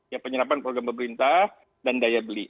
ya penyerapan program pemerintah dan daya beli